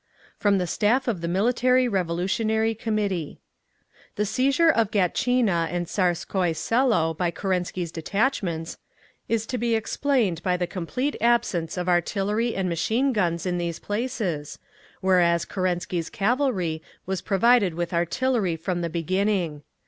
From the Staff of the Military Revolutionary Committee The seizure of Gatchina and Tsarskoye Selo by Kerensky's detachments is to be explained by the complete absence of artillery and machine guns in these places, whereas Kerensky's cavalry was provided with artillery from the beginning.